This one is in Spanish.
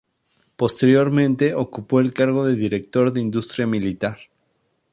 Posteriormente ocupó el cargo de Director de Industria Militar.